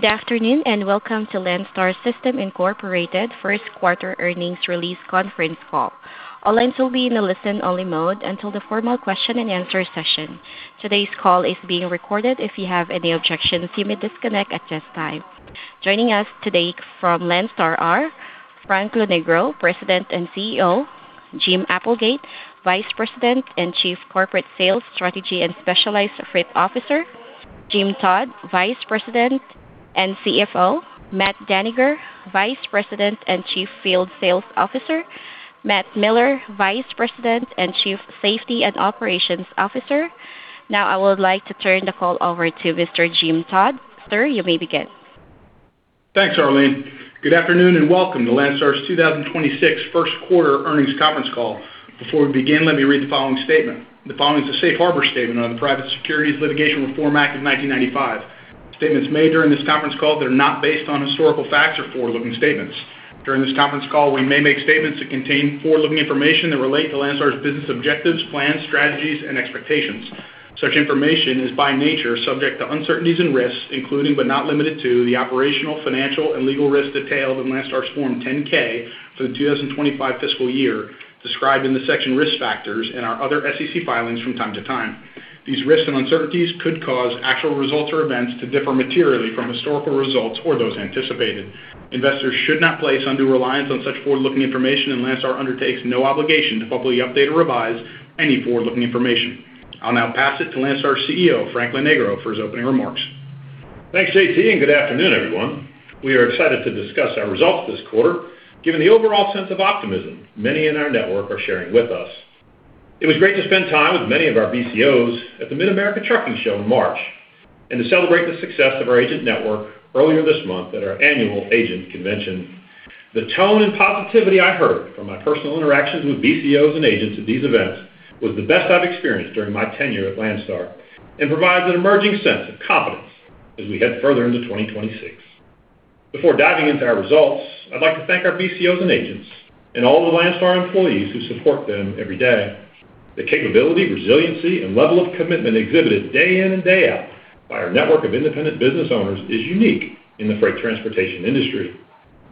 Good afternoon, and welcome to Landstar System, Inc. First Quarter Earnings Release Conference Call. All lines will be in a listen-only mode until the formal question-and-answer session. Today's call is being recorded. If you have any objections, you may disconnect at this time. Joining us today from Landstar are Frank Lonegro, President and CEO, Jim Applegate, Vice President and Chief Corporate Sales, Strategy and Specialized Freight Officer, Jim Todd, Vice President and CFO, Matt Dannegger, Vice President and Chief Field Sales Officer, and Matt Miller, Vice President and Chief Safety and Operations Officer. Now I would like to turn the call over to Mr. Jim Todd. Sir, you may begin. Thanks, Arlene. Good afternoon, and welcome to Landstar's 2026 first quarter earnings conference call. Before we begin, let me read the following statement. The following is a safe harbor statement on the Private Securities Litigation Reform Act of 1995. Statements made during this conference call that are not based on historical facts are forward-looking statements. During this conference call, we may make statements that contain forward-looking information that relate to Landstar's business objectives, plans, strategies, and expectations. Such information is, by nature, subject to uncertainties and risks, including, but not limited to, the operational, financial, and legal risks detailed in Landstar's Form 10-K for the 2025 fiscal year described in the section Risk Factors in our other SEC filings from time to time. These risks and uncertainties could cause actual results or events to differ materially from historical results or those anticipated. Investors should not place undue reliance on such forward-looking information, and Landstar undertakes no obligation to publicly update or revise any forward-looking information. I'll now pass it to Landstar's CEO, Frank Lonegro, for his opening remarks. Thanks, JT, and good afternoon, everyone. We are excited to discuss our results this quarter, given the overall sense of optimism many in our network are sharing with us. It was great to spend time with many of our BCOs at the Mid-America Trucking Show in March, and to celebrate the success of our agent network earlier this month at our annual agent convention. The tone and positivity I heard from my personal interactions with BCOs and agents at these events was the best I've experienced during my tenure at Landstar and provides an emerging sense of confidence as we head further into 2026. Before diving into our results, I'd like to thank our BCOs and agents and all the Landstar employees who support them every day. The capability, resiliency, and level of commitment exhibited day in and day out by our network of independent business owners is unique in the freight transportation industry.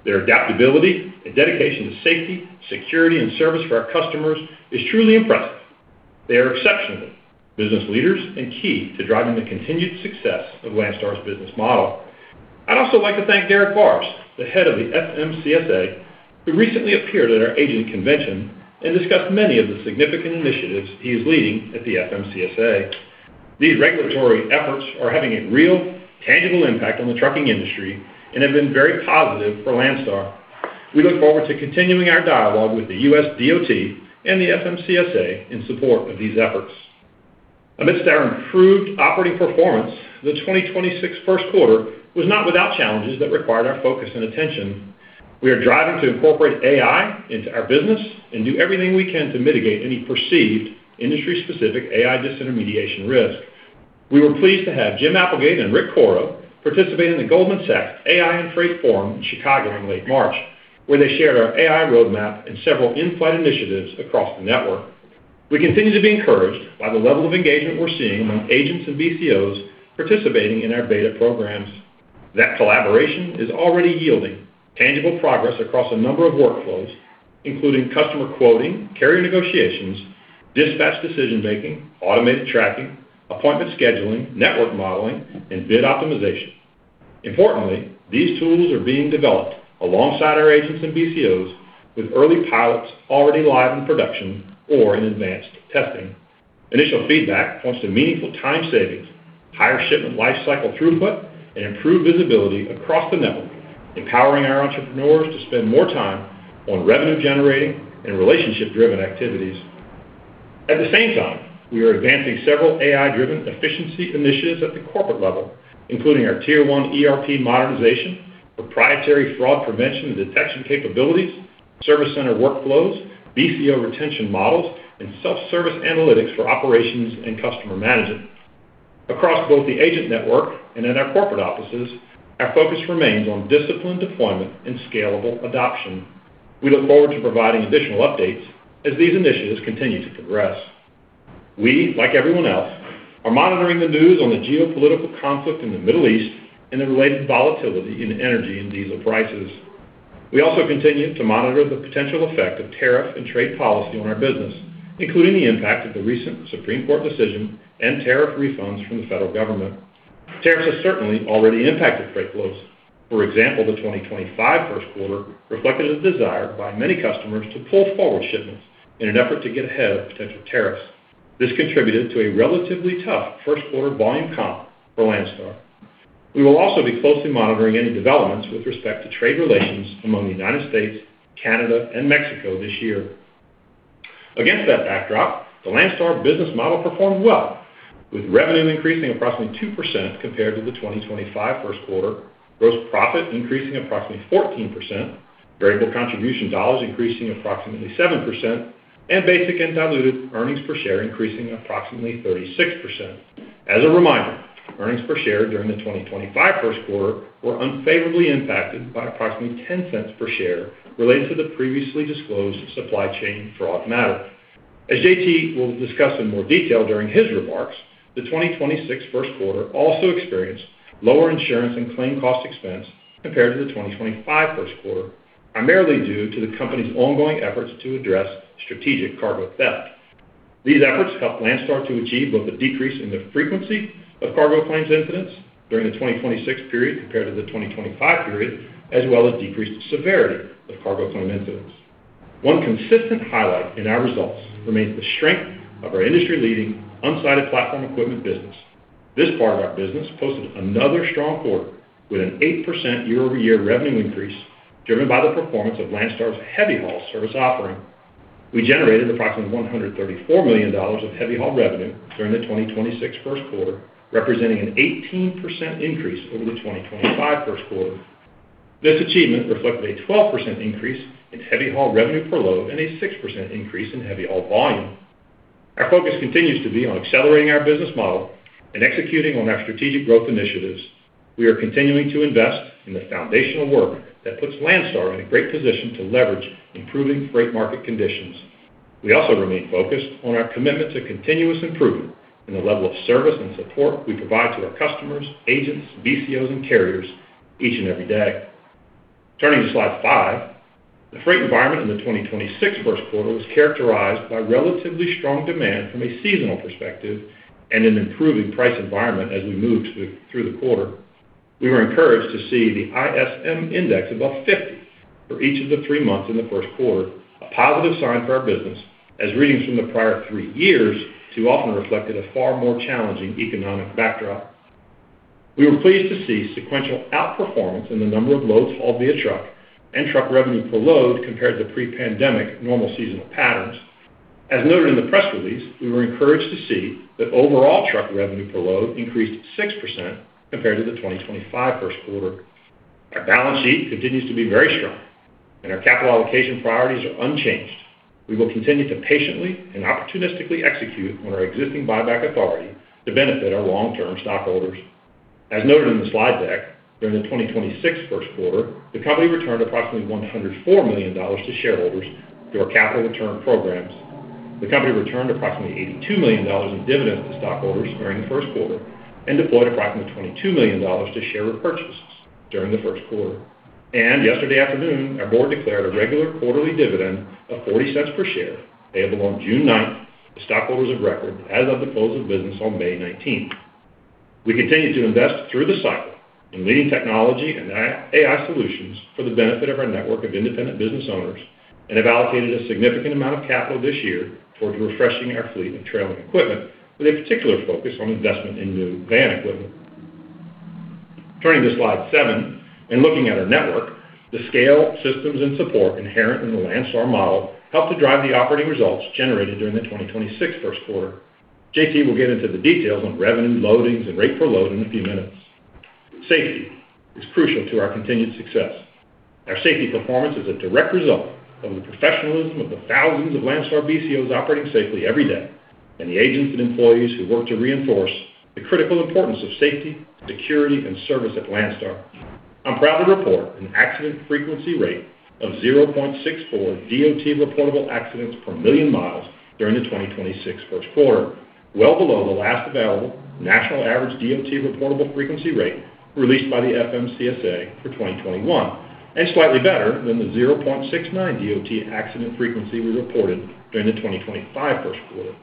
Their adaptability and dedication to safety, security, and service for our customers is truly impressive. They are exceptional business leaders and key to driving the continued success of Landstar's business model. I'd also like to thank Derek Barrs, the head of the FMCSA, who recently appeared at our agent convention and discussed many of the significant initiatives he is leading at the FMCSA. These regulatory efforts are having a real, tangible impact on the trucking industry and have been very positive for Landstar. We look forward to continuing our dialogue with the USDOT and the FMCSA in support of these efforts. Amidst our improved operating performance, the 2026 first quarter was not without challenges that required our focus and attention. We are driving to incorporate AI into our business and do everything we can to mitigate any perceived industry-specific AI disintermediation risk. We were pleased to have Jim Applegate and Rick Coro participate in the Goldman Sachs AI and Freight Forum in Chicago in late March, where they shared our AI roadmap and several in-flight initiatives across the network. We continue to be encouraged by the level of engagement we're seeing among agents and BCOs participating in our beta programs. That collaboration is already yielding tangible progress across a number of workflows, including customer quoting, carrier negotiations, dispatch decision-making, automated tracking, appointment scheduling, network modeling, and bid optimization. Importantly, these tools are being developed alongside our agents and BCOs with early pilots already live in production or in advanced testing. Initial feedback points to meaningful time savings, higher shipment lifecycle throughput, and improved visibility across the network, empowering our entrepreneurs to spend more time on revenue-generating and relationship-driven activities. At the same time, we are advancing several AI-driven efficiency initiatives at the corporate level, including our tier one ERP modernization, proprietary fraud prevention and detection capabilities, service center workflows, BCO retention models, and self-service analytics for operations and customer management. Across both the agent network and in our corporate offices, our focus remains on disciplined deployment and scalable adoption. We look forward to providing additional updates as these initiatives continue to progress. We, like everyone else, are monitoring the news on the geopolitical conflict in the Middle East and the related volatility in energy and diesel prices. We also continue to monitor the potential effect of tariff and trade policy on our business, including the impact of the recent Supreme Court decision and tariff refunds from the federal government. Tariffs have certainly already impacted freight flows. For example, the 2025 first quarter reflected a desire by many customers to pull forward shipments in an effort to get ahead of potential tariffs. This contributed to a relatively tough first quarter volume comp for Landstar. We will also be closely monitoring any developments with respect to trade relations among the United States, Canada, and Mexico this year. Against that backdrop, the Landstar business model performed well, with revenue increasing approximately 2% compared to the 2025 first quarter, gross profit increasing approximately 14%, variable contribution dollars increasing approximately 7%, and basic and diluted earnings per share increasing approximately 36%. As a reminder, earnings per share during the 2025 first quarter were unfavorably impacted by approximately $0.10 per share related to the previously disclosed supply chain fraud matter. As JT will discuss in more detail during his remarks, the 2026 first quarter also experienced lower insurance and claim cost expense compared to the 2025 first quarter, primarily due to the company's ongoing efforts to address strategic cargo theft. These efforts helped Landstar to achieve both a decrease in the frequency of cargo claims incidents during the 2026 period compared to the 2025 period, as well as decreased severity of cargo claim incidents. One consistent highlight in our results remains the strength of our industry-leading unsided/platform equipment business. This part of our business posted another strong quarter with an 8% year-over-year revenue increase, driven by the performance of Landstar's heavy-haul service offering. We generated approximately $134 million of heavy-haul revenue during the 2026 first quarter, representing an 18% increase over the 2025 first quarter. This achievement reflected a 12% increase in heavy-haul revenue per load and a 6% increase in heavy-haul volume. Our focus continues to be on accelerating our business model and executing on our strategic growth initiatives. We are continuing to invest in the foundational work that puts Landstar in a great position to leverage improving freight market conditions. We also remain focused on our commitment to continuous improvement in the level of service and support we provide to our customers, agents, BCOs, and carriers each and every day. Turning to slide five. The freight environment in the 2026 first quarter was characterized by relatively strong demand from a seasonal perspective and an improving price environment as we moved through the quarter. We were encouraged to see the ISM Index above 50 for each of the three-months in the first quarter, a positive sign for our business, as readings from the prior three-years too often reflected a far more challenging economic backdrop. We were pleased to see sequential outperformance in the number of loads hauled via truck and truck revenue per load compared to pre-pandemic normal seasonal patterns. As noted in the press release, we were encouraged to see that overall truck revenue per load increased 6% compared to the 2025 first quarter. Our balance sheet continues to be very strong, and our capital allocation priorities are unchanged. We will continue to patiently and opportunistically execute on our existing buyback authority to benefit our long-term stockholders. As noted in the slide deck, during the 2026 first quarter, the company returned approximately $104 million to shareholders through our capital return programs. The company returned approximately $82 million in dividends to stockholders during the first quarter and deployed approximately $22 million to share repurchases during the first quarter. Yesterday afternoon, our board declared a regular quarterly dividend of $0.40 per share, payable on June 9 to stockholders of record as of the close of business on May 19th. We continue to invest through the cycle in leading technology and AI solutions for the benefit of our network of independent business owners and have allocated a significant amount of capital this year towards refreshing our fleet and trailing equipment, with a particular focus on investment in new van equipment. Turning to slide seven and looking at our network, the scale, systems, and support inherent in the Landstar model helped to drive the operating results generated during the 2026 first quarter. JT will get into the details on revenue, loadings, and rate per load in a few minutes. Safety is crucial to our continued success. Our safety performance is a direct result of the professionalism of the thousands of Landstar BCOs operating safely every day and the agents and employees who work to reinforce the critical importance of safety, security, and service at Landstar. I'm proud to report an accident frequency rate of 0.64 DOT-reportable accidents per million miles during the 2026 first quarter, well below the last available national average DOT-reportable frequency rate released by the FMCSA for 2021 and slightly better than the 0.69 DOT accident frequency we reported during the 2025 first quarter.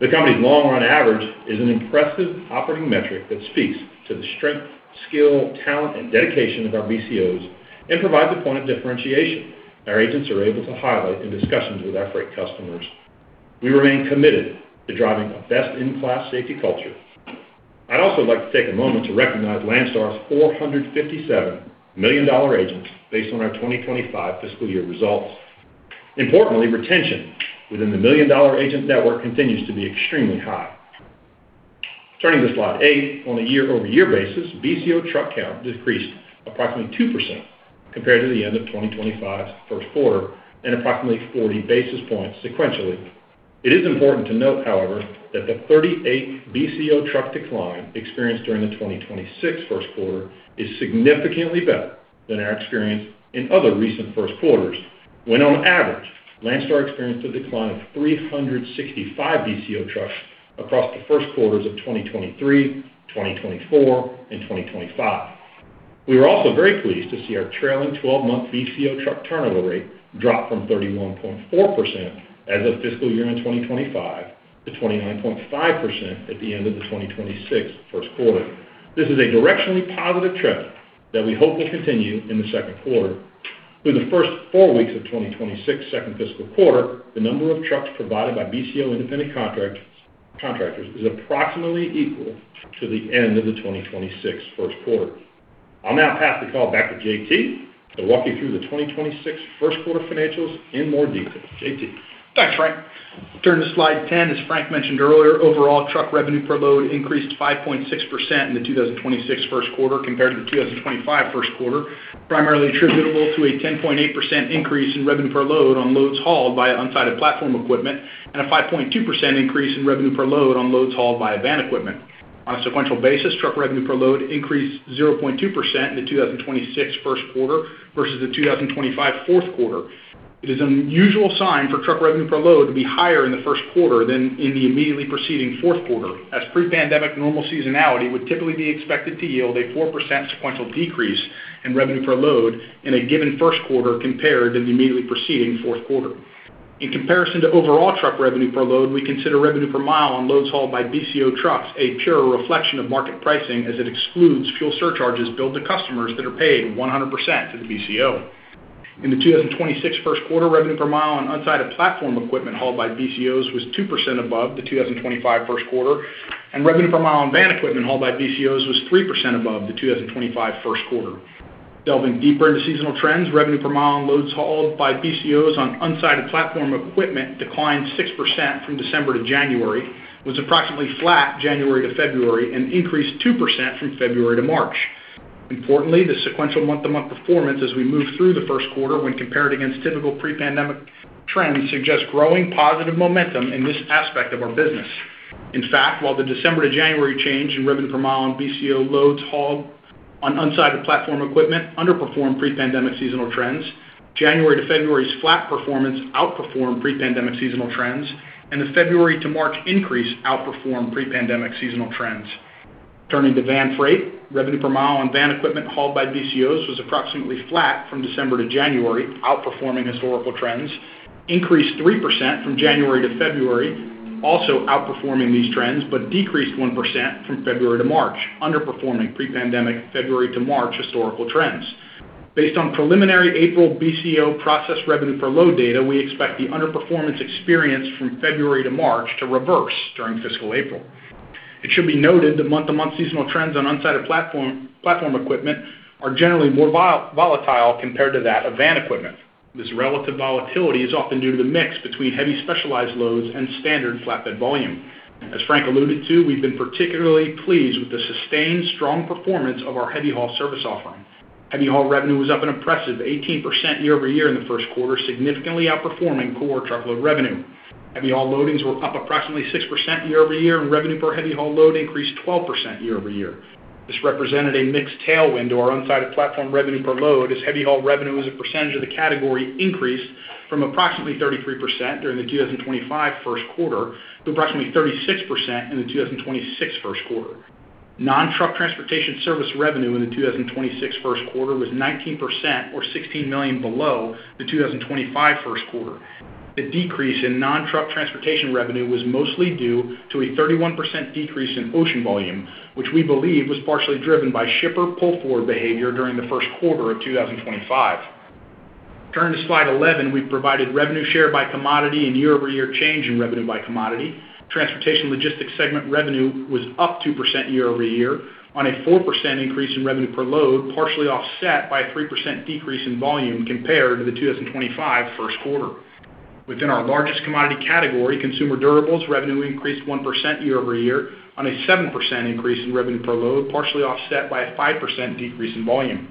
The company's long-run average is an impressive operating metric that speaks to the strength, skill, talent, and dedication of our BCOs and provides a point of differentiation our agents are able to highlight in discussions with our freight customers. We remain committed to driving a best-in-class safety culture. I'd also like to take a moment to recognize Landstar's $457 million-dollar agents based on our 2025 fiscal year results. Importantly, retention within the million-dollar agent network continues to be extremely high. Turning to slide eight. On a year-over-year basis, BCO truck count decreased approximately 2% compared to the end of 2025's first quarter and approximately 40 basis points sequentially. It is important to note, however, that the 38 BCO truck decline experienced during the 2026 first quarter is significantly better than our experience in other recent first quarters when on average, Landstar experienced a decline of 365 BCO trucks across the first quarters of 2023, 2024, and 2025. We were also very pleased to see our trailing 12-month BCO truck turnover rate drop from 31.4% as of fiscal year-end 2025 to 29.5% at the end of the 2026 first quarter. This is a directionally positive trend that we hope will continue in the second quarter. Through the first four-weeks of 2026 second fiscal quarter, the number of trucks provided by BCO independent contractors is approximately equal to the end of the 2026 first quarter. I'll now pass the call back to JT to walk you through the 2026 first quarter financials in more detail. JT? Thanks, Frank. Turn to slide 10. As Frank mentioned earlier, overall truck revenue per load increased 5.6% in the 2026 first quarter compared to the 2025 first quarter, primarily attributable to a 10.8% increase in revenue per load on loads hauled via unsided/platform equipment and a 5.2% increase in revenue per load on loads hauled via van equipment. On a sequential basis, truck revenue per load increased 0.2% in the 2026 first quarter versus the 2025 fourth quarter. It is an unusual sign for truck revenue per load to be higher in the first quarter than in the immediately preceding fourth quarter, as pre-pandemic normal seasonality would typically be expected to yield a 4% sequential decrease in revenue per load in a given first quarter compared to the immediately preceding fourth quarter. In comparison to overall truck revenue per load, we consider revenue per mile on loads hauled by BCO trucks a purer reflection of market pricing, as it excludes fuel surcharges billed to customers that are paid 100% to the BCO. In the 2026 first quarter, revenue per mile on unsided/platform equipment hauled by BCOs was 2% above the 2025 first quarter, and revenue per mile on van equipment hauled by BCOs was 3% above the 2025 first quarter. Delving deeper into seasonal trends, revenue per mile on loads hauled by BCOs on unsided/platform equipment declined 6% from December to January, was approximately flat January to February, and increased 2% from February to March. Importantly, the sequential month-to-month performance as we move through the 1st quarter when compared against typical pre-pandemic trends suggest growing positive momentum in this aspect of our business. In fact, while the December to January change in revenue per mile on BCO loads hauled on unsided/platform equipment underperformed pre-pandemic seasonal trends, January to February's flat performance outperformed pre-pandemic seasonal trends, and the February to March increase outperformed pre-pandemic seasonal trends. Turning to van freight, revenue per mile on van equipment hauled by BCOs was approximately flat from December to January, outperforming historical trends, increased 3% from January to February, also outperforming these trends, but decreased 1% from February to March, underperforming pre-pandemic February to March historical trends. Based on preliminary April BCO processed revenue per load data, we expect the underperformance experienced from February to March to reverse during fiscal April. It should be noted that month-to-month seasonal trends on unsided platform equipment are generally more volatile compared to that of van equipment. This relative volatility is often due to the mix between heavy specialized loads and standard flatbed volume. As Frank alluded to, we've been particularly pleased with the sustained strong performance of our heavy-haul service offering. Heavy-haul revenue was up an impressive 18% year-over-year in the first quarter, significantly outperforming core truckload revenue. Heavy-haul loadings were up approximately 6% year-over-year, and revenue per heavy-haul load increased 12% year-over-year. This represented a mixed tailwind to our unsided platform revenue per load, as heavy-haul revenue as a percentage of the category increased from approximately 33% during the 2025 first quarter to approximately 36% in the 2026 first quarter. Non-truck transportation service revenue in the 2026 first quarter was 19% or $16 million below the 2025 first quarter. The decrease in non-truck transportation revenue was mostly due to a 31% decrease in ocean volume, which we believe was partially driven by shipper pull-forward behavior during the first quarter of 2025. Turning to slide 11, we've provided revenue share by commodity and year-over-year change in revenue by commodity. Transportation logistics segment revenue was up 2% year-over-year on a 4% increase in revenue per load, partially offset by a 3% decrease in volume compared to the 2025 first quarter. Within our largest commodity category, consumer durables revenue increased 1% year-over-year on a 7% increase in revenue per load, partially offset by a 5% decrease in volume.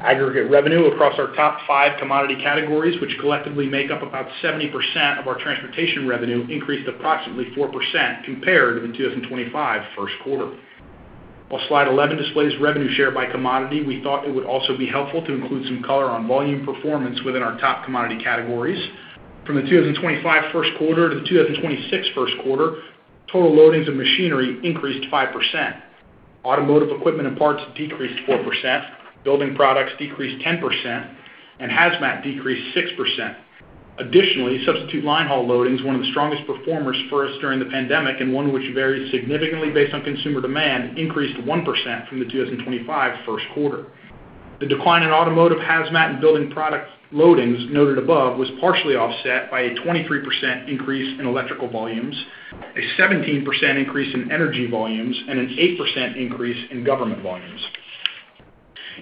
Aggregate revenue across our top five commodity categories, which collectively make up about 70% of our transportation revenue, increased approximately 4% compared to the 2025 first quarter. While slide 11 displays revenue share by commodity, we thought it would also be helpful to include some color on volume performance within our top commodity categories. From the 2025 first quarter to the 2026 first quarter, total loadings of machinery increased 5%. Automotive equipment and parts decreased 4%, building products decreased 10%, and hazmat decreased 6%. Additionally, substitute linehaul loadings, one of the strongest performers for us during the pandemic and one which varies significantly based on consumer demand, increased 1% from the 2025 first quarter. The decline in automotive, hazmat, and building product loadings noted above was partially offset by a 23% increase in electrical volumes, a 17% increase in energy volumes, and an 8% increase in government volumes.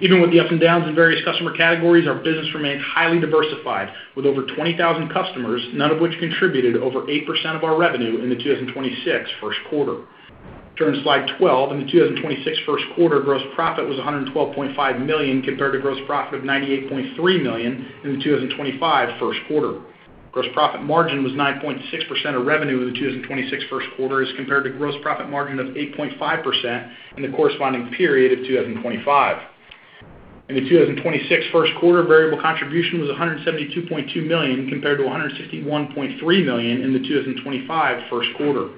Even with the ups and downs in various customer categories, our business remains highly diversified with over 20,000 customers, none of which contributed over 8% of our revenue in the 2026 first quarter. Turning to slide 12. In the 2026 first quarter, gross profit was $112.5 million compared to gross profit of $98.3 million in the 2025 first quarter. Gross profit margin was 9.6% of revenue in the 2026 first quarter as compared to gross profit margin of 8.5% in the corresponding period of 2025. In the 2026 first quarter, variable contribution was $172.2 million compared to $161.3 million in the 2025 first quarter.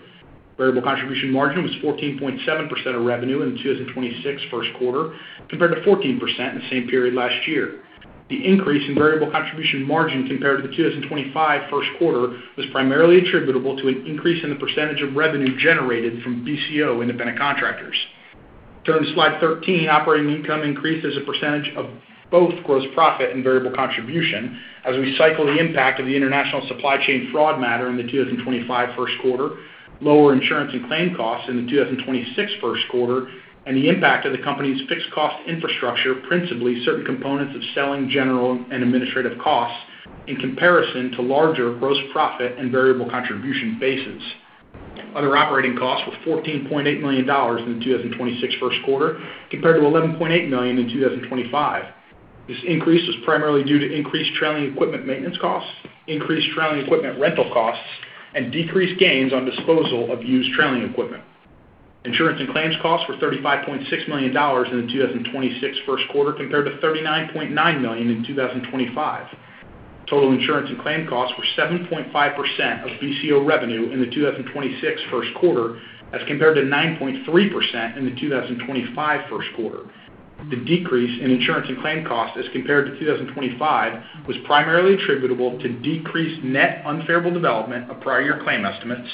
Variable contribution margin was 14.7% of revenue in the 2026 first quarter compared to 14% in the same period last year. The increase in variable contribution margin compared to the 2025 first quarter was primarily attributable to an increase in the percentage of revenue generated from BCO independent contractors. Turning to slide 13, operating income increased as a percentage of both gross profit and variable contribution as we cycle the impact of the international supply chain fraud matter in the 2025 first quarter, lower insurance and claim costs in the 2026 first quarter, and the impact of the company's fixed cost infrastructure, principally certain components of selling, general, and administrative costs in comparison to larger gross profit and variable contribution bases. Other operating costs were $14.8 million in the 2026 first quarter compared to $11.8 million in 2025. This increase was primarily due to increased trailing equipment maintenance costs, increased trailing equipment rental costs, and decreased gains on disposal of used trailing equipment. Insurance and claims costs were $35.6 million in the 2026 first quarter compared to $39.9 million in 2025. Total insurance and claim costs were 7.5% of BCO revenue in the 2026 first quarter as compared to 9.3% in the 2025 first quarter. The decrease in insurance and claim cost as compared to 2025 was primarily attributable to decreased net unfavorable development of prior year claim estimates,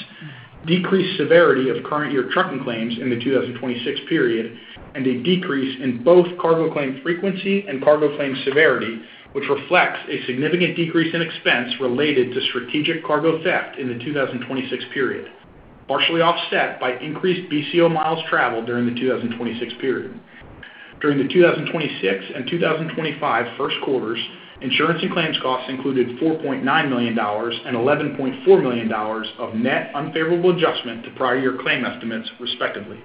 decreased severity of current year trucking claims in the 2026 period, and a decrease in both cargo claim frequency and cargo claim severity, which reflects a significant decrease in expense related to strategic cargo theft in the 2026 period, partially offset by increased BCO miles traveled during the 2026 period. During the 2026 and 2025 first quarters, insurance and claims costs included $4.9 million and $11.4 million of net unfavorable adjustment to prior year claim estimates, respectively.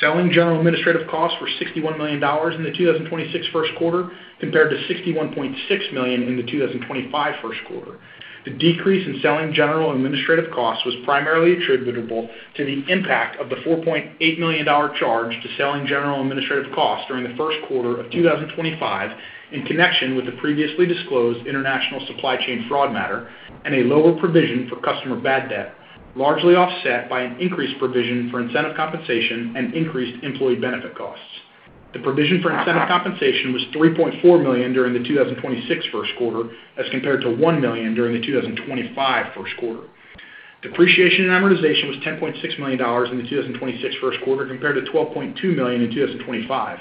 Selling general administrative costs were $61 million in the 2026 first quarter compared to $61.6 million in the 2025 first quarter. The decrease in selling general administrative costs was primarily attributable to the impact of the $4.8 million charge to selling general administrative costs during the first quarter of 2025 in connection with the previously disclosed international supply chain fraud matter and a lower provision for customer bad debt, largely offset by an increased provision for incentive compensation and increased employee benefit costs. The provision for incentive compensation was $3.4 million during the 2026 first quarter as compared to $1 million during the 2025 first quarter. Depreciation and amortization was $10.6 million in the 2026 first quarter compared to $12.2 million in 2025.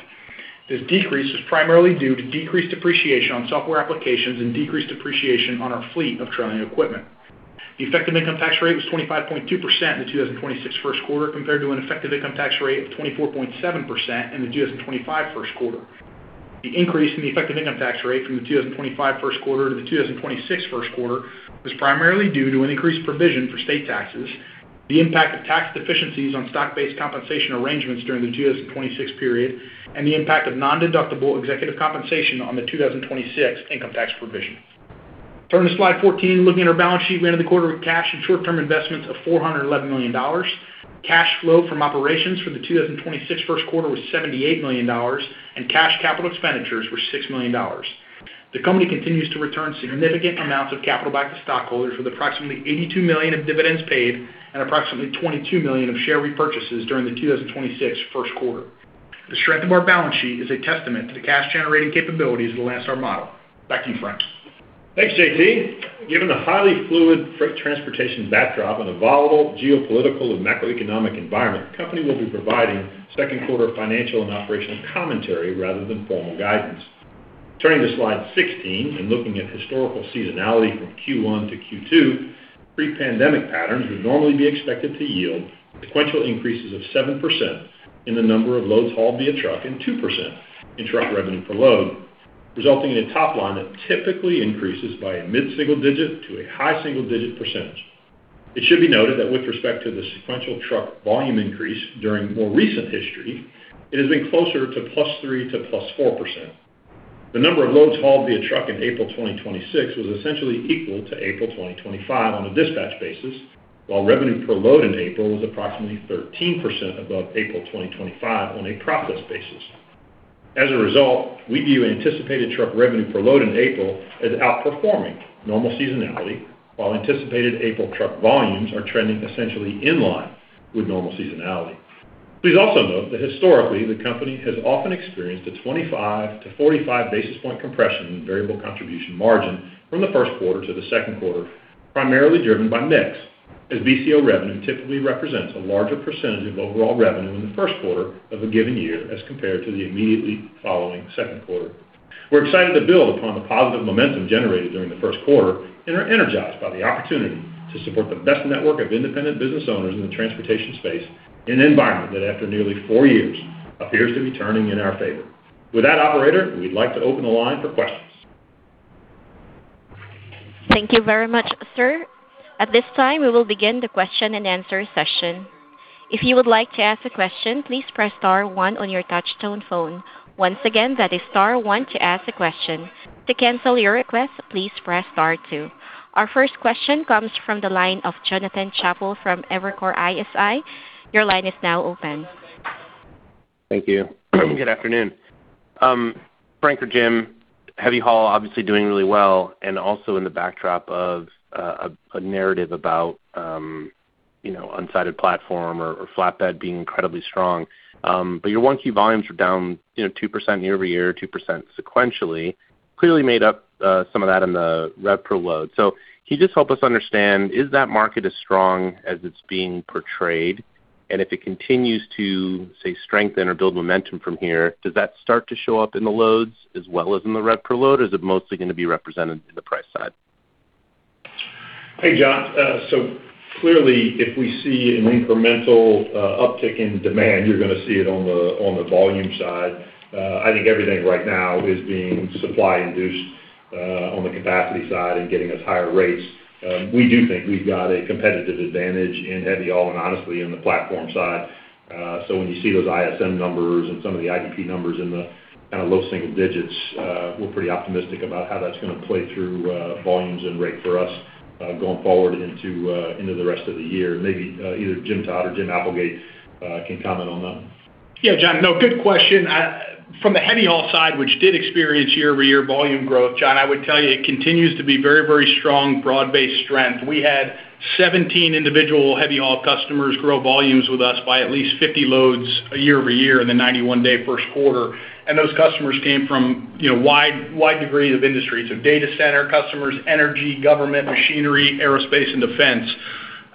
This decrease was primarily due to decreased depreciation on software applications and decreased depreciation on our fleet of trailing equipment. The effective income tax rate was 25.2% in the 2026 first quarter compared to an effective income tax rate of 24.7% in the 2025 first quarter. The increase in the effective income tax rate from the 2025 first quarter to the 2026 first quarter was primarily due to an increased provision for state taxes, the impact of tax deficiencies on stock-based compensation arrangements during the 2026 period, and the impact of nondeductible executive compensation on the 2026 income tax provision. Turning to slide 14, looking at our balance sheet, we ended the quarter with cash and short-term investments of $411 million. Cash flow from operations for the 2026 first quarter was $78 million, and cash capital expenditures were $6 million. The company continues to return significant amounts of capital back to stockholders with approximately $82 million of dividends paid and approximately $22 million of share repurchases during the 2026 first quarter. The strength of our balance sheet is a testament to the cash-generating capabilities of the Landstar model. Back to you, Frank. Thanks, JT. Given the highly fluid freight transportation backdrop and a volatile geopolitical and macroeconomic environment, the company will be providing second quarter financial and operational commentary rather than formal guidance. Turning to slide 16 and looking at historical seasonality from Q1 to Q2, pre-pandemic patterns would normally be expected to yield sequential increases of 7% in the number of loads hauled via truck and 2% in truck revenue per load, resulting in a top line that typically increases by a mid-single digit to a high single-digit percentage. It should be noted that with respect to the sequential truck volume increase during more recent history, it has been closer to +3% to +4%. The number of loads hauled via truck in April 2026 was essentially equal to April 2025 on a dispatch basis, while revenue per load in April was approximately 13% above April 2025 on a profit basis. As a result, we view anticipated truck revenue per load in April as outperforming normal seasonality, while anticipated April truck volumes are trending essentially in line with normal seasonality. Please also note that historically, the company has often experienced a 25 basis point to 45 basis point compression in variable contribution margin from the first quarter to the second quarter, primarily driven by mix, as BCO revenue typically represents a larger percentage of overall revenue in the first quarter of a given year as compared to the immediately following second quarter. We're excited to build upon the positive momentum generated during the first quarter and are energized by the opportunity to support the best network of independent business owners in the transportation space in an environment that after nearly four years appears to be turning in our favor. With that, operator, we'd like to open the line for questions. Thank you very much, sir. At this time, we will begin the question-and-answer session. Our first question comes from the line of Jonathan Chappell from Evercore ISI. Your line is now open. Thank you. Good afternoon. Frank or Jim, heavy-haul obviously doing really well and also in the backdrop of a narrative about unsided/platform equipment or flatbed being incredibly strong. But your 1Q volumes were down 2% year-over-year, 2% sequentially. Clearly made up some of that in the rev per load. Can you just help us understand, is that market as strong as it's being portrayed? If it continues to, say, strengthen or build momentum from here, does that start to show up in the loads as well as in the rev per load? Or is it mostly gonna be represented in the price side? Hey, Jon. Clearly, if we see an incremental uptick in demand, you're gonna see it on the volume side. I think everything right now is being supply induced on the capacity side and getting us higher rates. We do think we've got a competitive advantage in heavy-haul and honestly on the platform side. When you see those ISM numbers and some of the IDP numbers in the kind of low single digits, we're pretty optimistic about how that's gonna play through volumes and rate for us going forward into the rest of the year. Maybe either Jim Todd or Jim Applegate can comment on that. Yeah, Jon. No, good question. From the heavy-haul side, which did experience year-over-year volume growth, Jon, I would tell you it continues to be very, very strong broad-based strength. We had 17 individual heavy-haul customers grow volumes with us by at least 50 loads a year-over-year in the 91-day first quarter. Those customers came from, you know, wide degree of industry. Data center customers, energy, government, machinery, aerospace, and defense.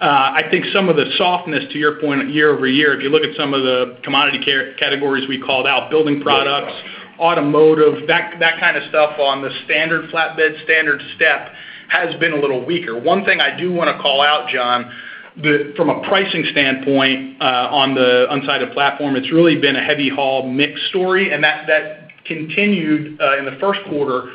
I think some of the softness to your point year-over-year, if you look at some of the commodity categories we called out, building products, automotive, that kind of stuff on the standard flatbed standard step has been a little weaker. One thing I do want to call out, Jon, from a pricing standpoint, on the side of platform, it's really been a heavy-haul mix story, and that continued in the first quarter.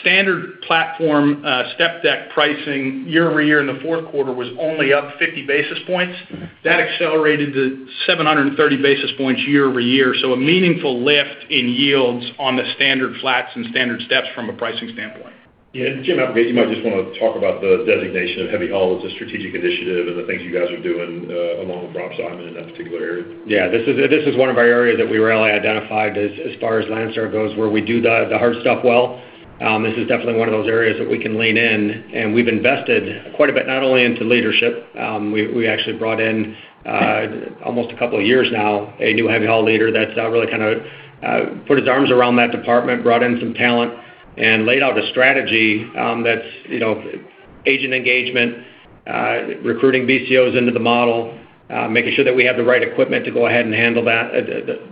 Standard platform, step deck pricing year-over-year in the fourth quarter was only up 50 basis points. That accelerated to 730 basis points year-over-year. A meaningful lift in yields on the standard flats and standard steps from a pricing standpoint. Yeah. Jim, I guess you might just want to talk about the designation of heavy-haul as a strategic initiative and the things you guys are doing along with Rob Simon in that particular area. This is one of our areas that we really identified as far as Landstar goes, where we do the hard stuff well. This is definitely one of those areas that we can lean in, and we've invested quite a bit, not only into leadership, we actually brought in almost a couple years now, a new heavy-haul leader that's really kind of put his arms around that department, brought in some talent, and laid out a strategy that's, you know, agent engagement, recruiting BCOs into the model, making sure that we have the right equipment to go ahead and handle that,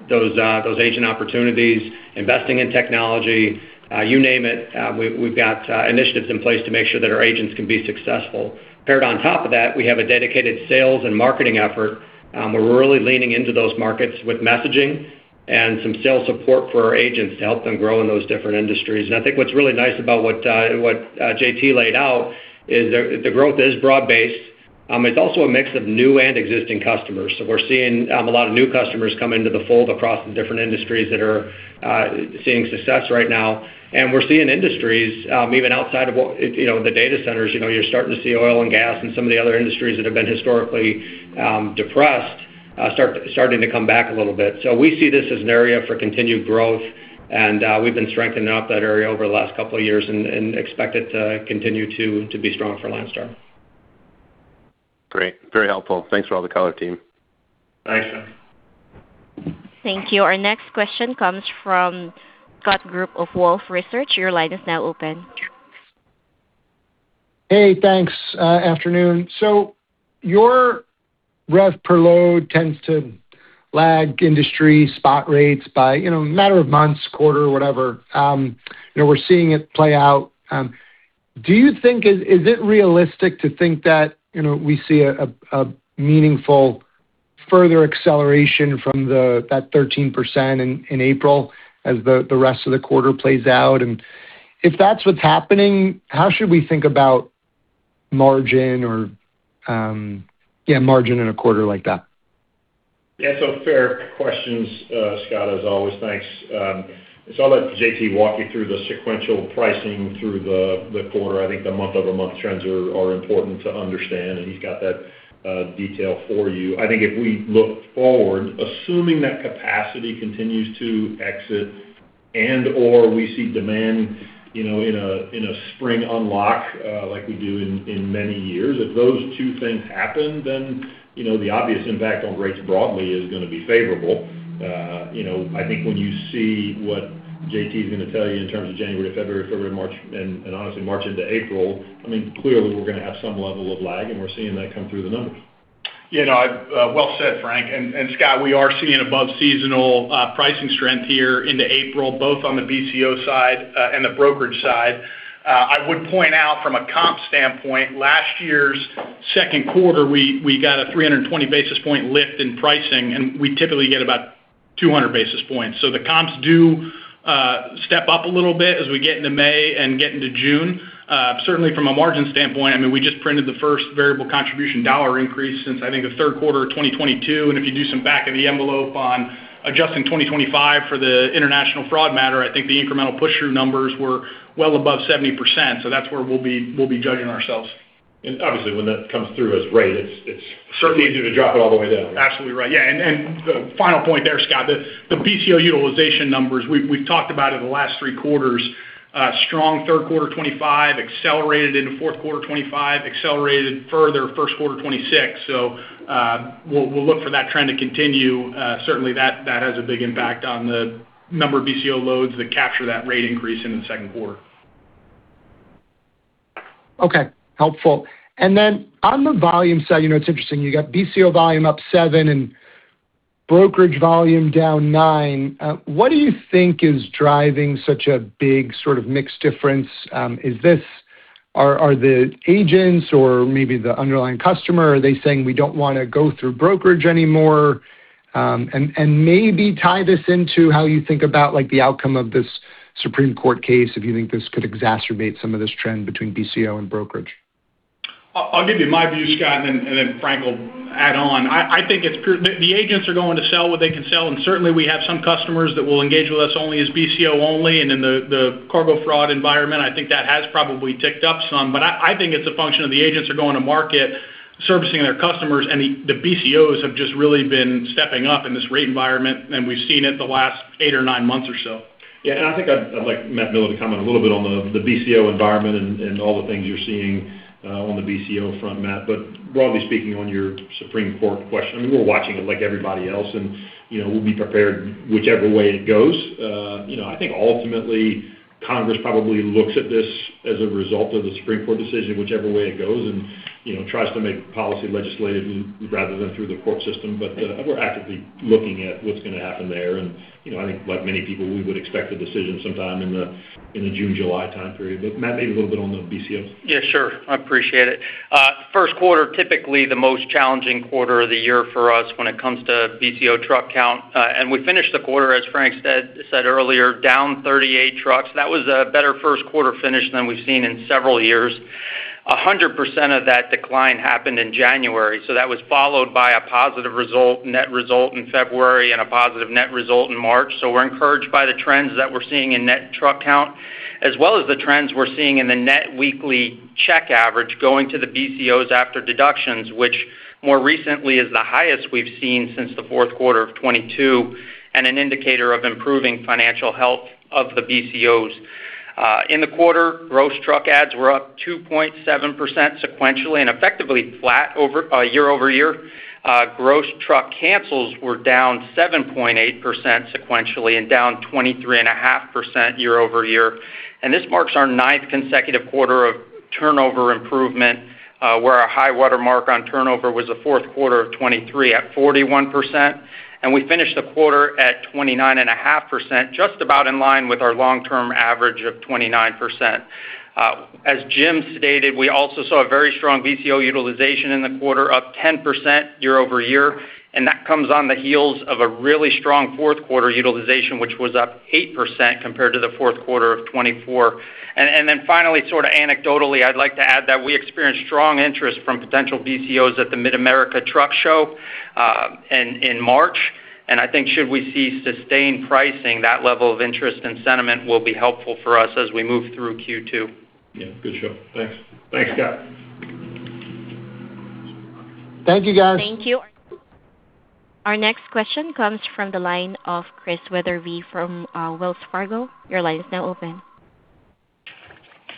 those agent opportunities, investing in technology, you name it. We've got initiatives in place to make sure that our agents can be successful. Paired on top of that, we have a dedicated sales and marketing effort, where we're really leaning into those markets with messaging and some sales support for our agents to help them grow in those different industries. I think what's really nice about what JT laid out is the growth is broad-based. It's also a mix of new and existing customers. We're seeing a lot of new customers come into the fold across the different industries that are seeing success right now. We're seeing industries, even outside of what, you know, the data centers, you know, you're starting to see oil and gas and some of the other industries that have been historically depressed, starting to come back a little bit. We see this as an area for continued growth, and we've been strengthening up that area over the last couple of years and expect it to continue to be strong for Landstar. Great. Very helpful. Thanks for all the color, team. Thanks, Jon. Thank you. Our next question comes from Scott Group of Wolfe Research. Your line is now open. Hey, thanks. Afternoon. Your rev per load tends to lag industry spot rates by, you know, a matter of months, quarter, whatever. You know, we're seeing it play out. Do you think is it realistic to think that, you know, we see a meaningful further acceleration from that 13% in April as the rest of the quarter plays out? If that's what's happening, how should we think about margin or, yeah, margin in a quarter like that? Yeah. Fair questions, Scott, as always. Thanks. I'll let JT walk you through the sequential pricing through the quarter. I think the month-over-month trends are important to understand, he's got that detail for you. I think if we look forward, assuming that capacity continues to exit and/or we see demand, you know, in a spring unlock, like we do in many years, if those two things happen, you know, the obvious impact on rates broadly is gonna be favorable. You know, I think when you see what JT is gonna tell you in terms of January to February to March, and honestly March into April, I mean, clearly we're gonna have some level of lag, we're seeing that come through the numbers. You know, well said, Frank. Scott, we are seeing above seasonal pricing strength here into April, both on the BCO side and the brokerage side. I would point out from a comp standpoint, last year's second quarter, we got a 320 basis point lift in pricing, and we typically get about 200 basis points. The comps do step up a little bit as we get into May and get into June. Certainly from a margin standpoint, I mean, we just printed the first variable contribution dollar increase since I think the third quarter of 2022. If you do some back of the envelope on adjusting 2025 for the international fraud matter, I think the incremental push-through numbers were well above 70%. That's where we'll be judging ourselves. Obviously, when that comes through as rate, it's. Certainly easier to drop it all the way down. Absolutely right. Yeah. The final point there, Scott, the BCO utilization numbers we've talked about over the last three quarters, strong third quarter 2025, accelerated into fourth quarter 2025, accelerated further first quarter 2026. We'll look for that trend to continue. Certainly that has a big impact on the number of BCO loads that capture that rate increase into the second quarter. Helpful. Then on the volume side, you know, it's interesting, you got BCO volume up seven and brokerage volume down nine. What do you think is driving such a big sort of mixed difference? Are the agents or maybe the underlying customer, are they saying, we don't want to go through brokerage anymore? Maybe tie this into how you think about, like, the outcome of this Supreme Court case, if you think this could exacerbate some of this trend between BCO and brokerage. I'll give you my view, Scott, and then Frank will add on. I think it's the agents are going to sell what they can sell, and certainly we have some customers that will engage with us only as BCO only, and in the cargo fraud environment, I think that has probably ticked up some. I think it's a function of the agents are going to market. Servicing their customers and the BCOs have just really been stepping up in this rate environment, and we've seen it the last eight or nine-months or so. I think I'd like Matt Miller to comment a little bit on the BCO environment and all the things you're seeing on the BCO front, Matt. Broadly speaking, on your Supreme Court question, we're watching it like everybody else, and, you know, we'll be prepared whichever way it goes. You know, I think ultimately, Congress probably looks at this as a result of the Supreme Court decision, whichever way it goes, and, you know, tries to make policy legislative rather than through the court system. We're actively looking at what's gonna happen there. You know, I think like many people, we would expect a decision sometime in the June, July time period. Matt, maybe a little bit on the BCOs. Yeah, sure. I appreciate it. First quarter, typically the most challenging quarter of the year for us when it comes to BCO truck count. We finished the quarter, as Frank said earlier, down 38 trucks. That was a better first quarter finish than we've seen in several years. 100% of that decline happened in January, that was followed by a positive result, net result in February and a positive net result in March. We're encouraged by the trends that we're seeing in net truck count, as well as the trends we're seeing in the net weekly check average going to the BCOs after deductions, which more recently is the highest we've seen since the fourth quarter of 2022, and an indicator of improving financial health of the BCOs. In the quarter, gross truck adds were up 2.7% sequentially and effectively flat year-over-year. Gross truck cancels were down 7.8% sequentially and down 23.5% year-over-year. This marks our 9th consecutive quarter of turnover improvement, where our high water mark on turnover was the fourth quarter of 2023 at 41%. We finished the quarter at 29.5%, just about in line with our long-term average of 29%. As Jim stated, we also saw a very strong BCO utilization in the quarter, up 10% year-over-year, and that comes on the heels of a really strong fourth quarter utilization, which was up 8% compared to the fourth quarter of 2024. Then finally, sort of anecdotally, I'd like to add that we experienced strong interest from potential BCOs at the Mid-America Trucking Show in March. I think should we see sustained pricing, that level of interest and sentiment will be helpful for us as we move through Q2. Yeah. Good show. Thanks. Thanks, guys. Thank you, guys. Thank you. Our next question comes from the line of Chris Wetherbee from Wells Fargo. Your line is now open.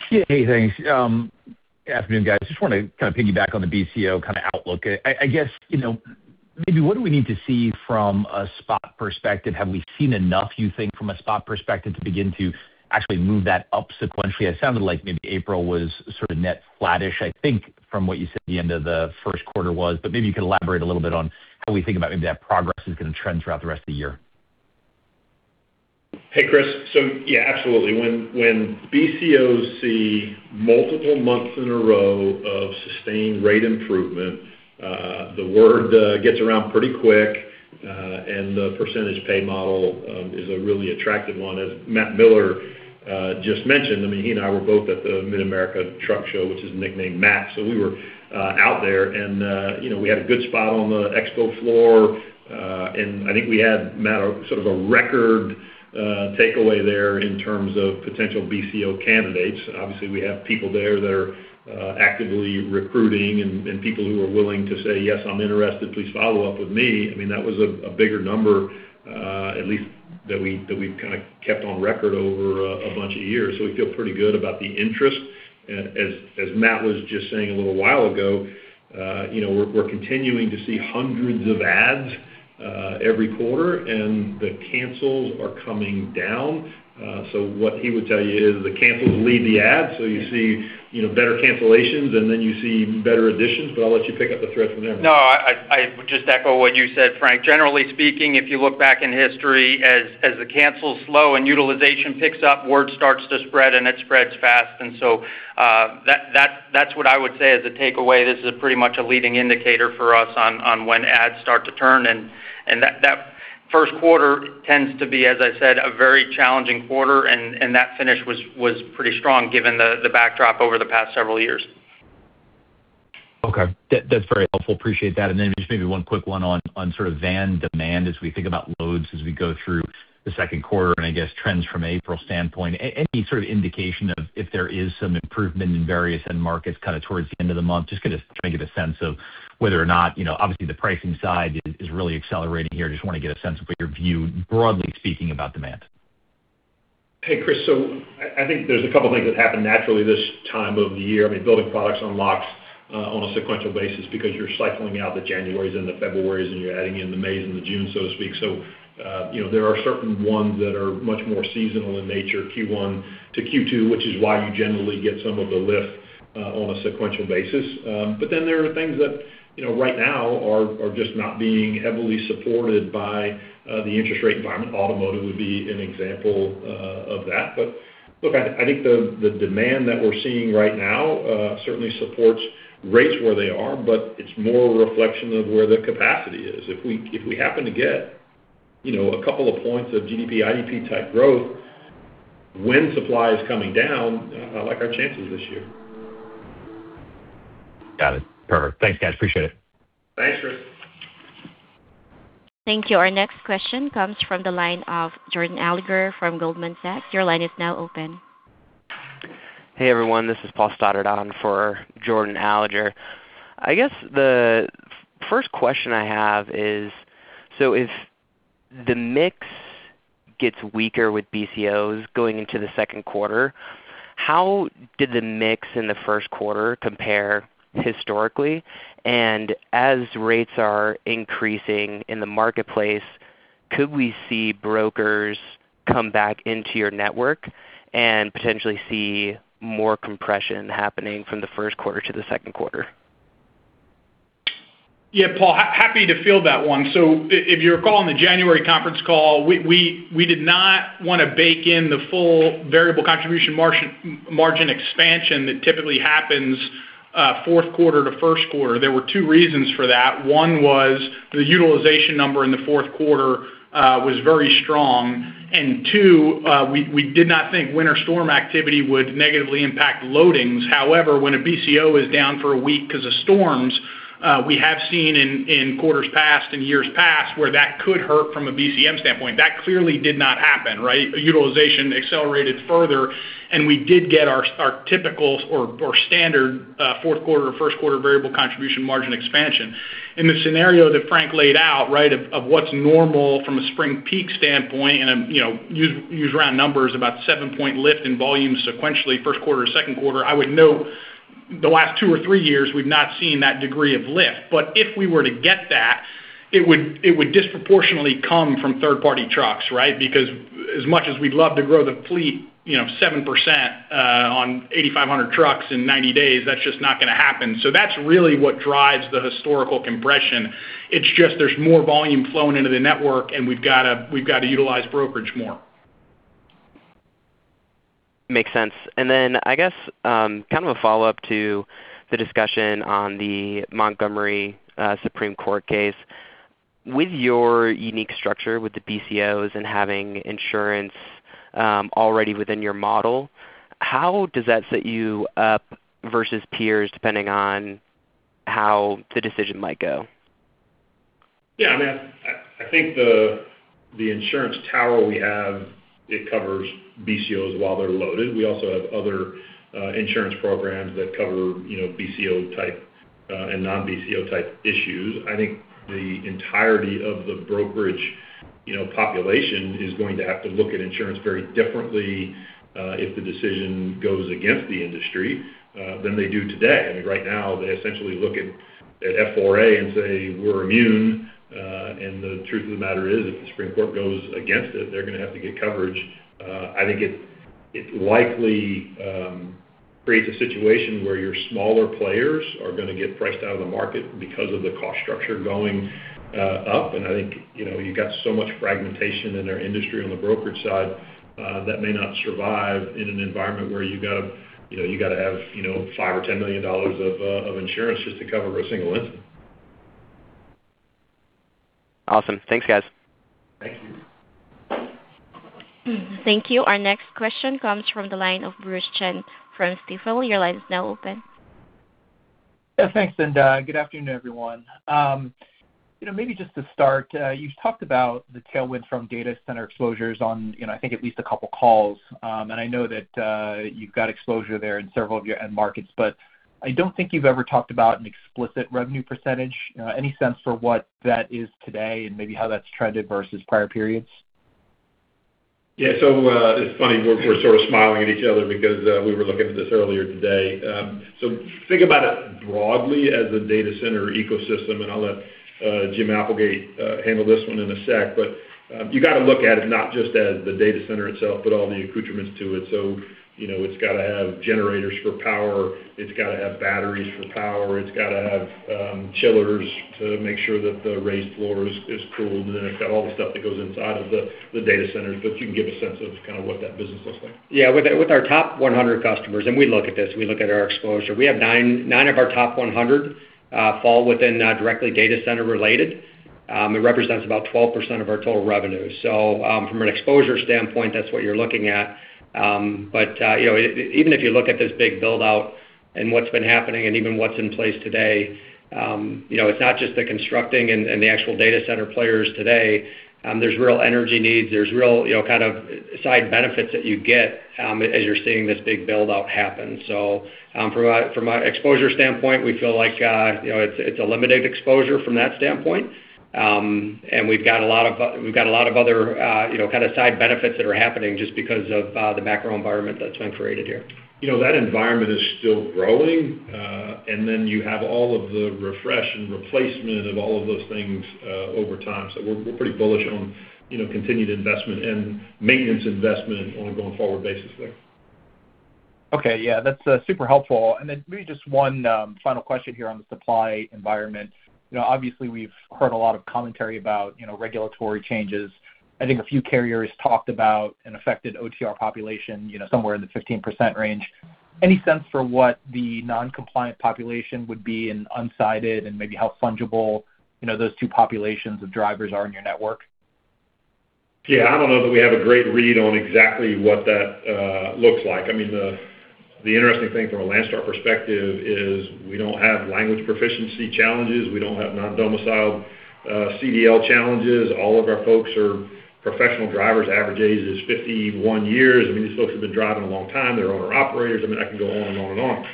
Hey, thanks. Good afternoon, guys. I just wanted to kind of piggyback on the BCO kind of outlook. I guess, you know, maybe what do we need to see from a spot perspective? Have we seen enough, you think, from a spot perspective to begin to actually move that up sequentially? It sounded like maybe April was sort of net flattish, I think, from what you said the end of the first quarter was. Maybe you could elaborate a little bit on how we think about maybe that progress is going to trend throughout the rest of the year. Hey, Chris. Absolutely. When BCOs see multiple months in a row of sustained rate improvement, the word gets around pretty quick, and the percentage pay model is a really attractive one, as Matt Miller just mentioned. I mean, he and I were both at the Mid-America Trucking Show, which is nicknamed MATS. We were out there and, you know, we had a good spot on the expo floor. I think we had, Matt, a sort of a record takeaway there in terms of potential BCO candidates. Obviously, we have people there that are actively recruiting and people who are willing to say, "Yes, I'm interested. Please follow up with me." I mean, that was a bigger number, at least that we, that we've kinda kept on record over a bunch of years. We feel pretty good about the interest. As Matt was just saying a little while ago, you know, we're continuing to see hundreds of adds every quarter, and the cancels are coming down. What he would tell you is the cancels lead the adds. You see, you know, better cancellations, you see better additions. I'll let you pick up the thread from there, Matt. No, I would just echo what you said, Frank. Generally speaking, if you look back in history, as the cancels slow and utilization picks up, word starts to spread, and it spreads fast. That's what I would say as a takeaway. This is pretty much a leading indicator for us on when adds start to turn. That first quarter tends to be, as I said, a very challenging quarter, and that finish was pretty strong given the backdrop over the past several years. Okay. That's very helpful. Appreciate that. Just maybe one quick one on sort of van demand as we think about loads as we go through the second quarter and I guess trends from April standpoint. Any sort of indication of if there is some improvement in various end markets kinda towards the end of the month. Just trying to get a sense of whether or not, you know, obviously the pricing side is really accelerating here. Just wanna get a sense of what your view, broadly speaking, about demand. Hey, Chris. I think there's a couple things that happen naturally this time of the year. I mean, building products unlocks on a sequential basis because you're cycling out the Januarys and the Februarys, and you're adding in the Mays and the Junes, so to speak. You know, there are certain ones that are much more seasonal in nature, Q1 to Q2, which is why you generally get some of the lift on a sequential basis. There are things that, you know, right now are just not being heavily supported by the interest rate environment. Automotive would be an example of that. Look, I think the demand that we're seeing right now certainly supports rates where they are, but it's more a reflection of where the capacity is. If we happen to get, you know, a couple of points of GDP, IP-type growth when supply is coming down, I like our chances this year. Got it. Perfect. Thanks, guys. Appreciate it. Thanks, Chris. Thank you. Our next question comes from the line of Jordan Alliger from Goldman Sachs. Hey, everyone. This is Paul Stoddard on for Jordan Alliger. I guess the first question I have is, if the mix gets weaker with BCOs going into the second quarter, how did the mix in the first quarter compare historically? And as rates are increasing in the marketplace, could we see brokers come back into your network and potentially see more compression happening from the first quarter to the second quarter? Yeah Paul, happy to field that one. If you recall on the January conference call, we did not wanna bake in the full variable contribution margin expansion that typically happens, fourth quarter to first quarter. There were two reasons for that. One was the utilization number in the fourth quarter was very strong. Two, we did not think winter storm activity would negatively impact loadings. However, when a BCO is down for a week 'cause of storms, we have seen in quarters past and years past where that could hurt from a BCM standpoint. That clearly did not happen, right? Utilization accelerated further, we did get our typical or standard fourth quarter, first quarter variable contribution margin expansion. In the scenario that Frank laid out, right, of what's normal from a spring peak standpoint and, you know, use round numbers about 7-point lift in volume sequentially, first quarter to second quarter. I would note, the last two or three-years, we've not seen that degree of lift. If we were to get that, it would disproportionately come from third-party trucks, right? Because as much as we'd love to grow the fleet, you know, 7%, on 8,500 trucks in 90-days, that's just not gonna happen. That's really what drives the historical compression. It's just there's more volume flowing into the network, and we've gotta utilize brokerage more. Makes sense. I guess, kind of a follow-up to the discussion on the Montgomery Supreme Court case, with your unique structure with the BCOs and having insurance already within your model, how does that set you up versus peers depending on how the decision might go? Yeah, I mean, I think the insurance tower we have, it covers BCOs while they're loaded. We also have other insurance programs that cover, you know, BCO type and non-BCO type issues. I think the entirety of the brokerage, you know, population is going to have to look at insurance very differently if the decision goes against the industry than they do today. I mean, right now, they essentially look at F4A and say, "We're immune." The truth of the matter is, if the Supreme Court goes against it, they're gonna have to get coverage. I think it likely creates a situation where your smaller players are gonna get priced out of the market because of the cost structure going up. I think, you know, you got so much fragmentation in our industry on the brokerage side, that may not survive in an environment where you gotta, you know, you gotta have, you know, $5 million or $10 million of insurance just to cover a single incident. Awesome. Thanks, guys. Thank you. Our next question comes from the line of Bruce Chan from Stifel. Your line is now open. Yeah. Thanks, Zenda. Good afternoon, everyone. you know, maybe just to start, you talked about the tailwind from data center exposures on, you know, I think at least a couple calls. I know that, you've got exposure there in several of your end markets, but I don't think you've ever talked about an explicit revenue percentage. Any sense for what that is today and maybe how that's trended versus prior periods? Yeah. it's funny, we're sort of smiling at each other because we were looking at this earlier today. think about it broadly as a data center ecosystem, and I'll let Jim Applegate handle this one in a sec. you gotta look at it not just as the data center itself, but all the accoutrements to it. you know, it's gotta have generators for power. It's gotta have batteries for power. It's gotta have chillers to make sure that the raised floor is cooled, and it's got all the stuff that goes inside of the data centers that you can give a sense of kind of what that business looks like. Yeah. With our top 100 customers, we look at this, we look at our exposure. We have nine of our top 100 fall within directly data center related. It represents about 12% of our total revenue. From an exposure standpoint, that's what you're looking at. You know, even if you look at this big build-out and what's been happening and even what's in place today, you know, it's not just the constructing and the actual data center players today. There's real energy needs. There's real, you know, kind of side benefits that you get as you're seeing this big build-out happen. From an exposure standpoint, we feel like, you know, it's a limited exposure from that standpoint. We've got a lot of other, you know, kind of side benefits that are happening just because of the macro environment that's been created here. You know, that environment is still growing, and then you have all of the refresh and replacement of all of those things, over time. We're pretty bullish on, you know, continued investment and maintenance investment on a going forward basis there. Yeah. That's super helpful. Then maybe just one final question here on the supply environment. You know, obviously, we've heard a lot of commentary about, you know, regulatory changes. I think a few carriers talked about an affected OTR population, you know, somewhere in the 15% range. Any sense for what the non-compliant population would be in unsided and maybe how fungible, you know, those two populations of drivers are in your network? Yeah, I don't know that we have a great read on exactly what that looks like. I mean, the interesting thing from a Landstar perspective is we don't have language proficiency challenges. We don't have non-domiciled CDL challenges. All of our folks are professional drivers. Average age is 51-years. I mean, these folks have been driving a long time. They're owner-operators. I mean, I can go on and on and on.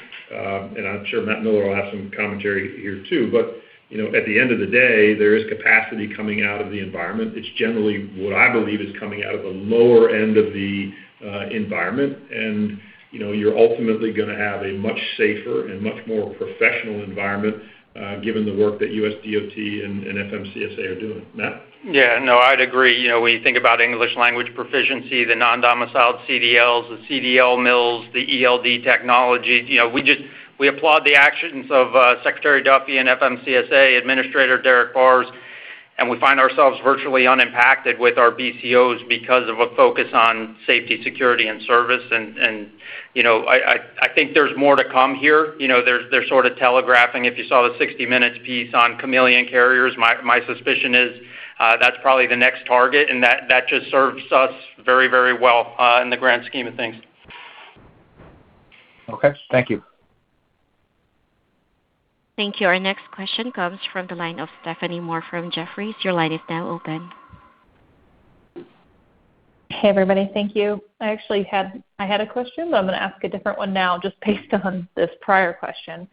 I'm sure Matt Miller will have some commentary here too. You know, at the end of the day, there is capacity coming out of the environment. It's generally what I believe is coming out of a lower end of the environment. You know, you're ultimately gonna have a much safer and much more professional environment given the work that USDOT and FMCSA are doing. Matt? Yeah, no, I'd agree. You know, when you think about English language proficiency, the non-domiciled CDLs, the CDL mills, the ELD technology, you know, we applaud the actions of Secretary Duffy and FMCSA Administrator Derek Barrs, and we find ourselves virtually unimpacted with our BCOs because of a focus on safety, security, and service. You know, I think there's more to come here. You know, they're sort of telegraphing, if you saw the 60 Minutes piece on chameleon carriers, my suspicion is that's probably the next target, and that just serves us very, very well in the grand scheme of things. Okay. Thank you. Thank you. Our next question comes from the line of Stephanie Moore from Jefferies. Your line is now open. Hey, everybody. Thank you. I had a question, I'm gonna ask a different one now just based on this prior question.